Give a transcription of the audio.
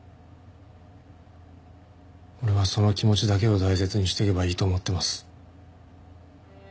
俺はその気持ちだけを大切にしていけばいいと思ってます。